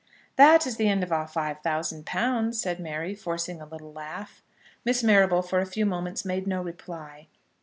"That is the end of our five thousand pounds," said Mary, forcing a little laugh. Miss Marrable for a few moments made no reply.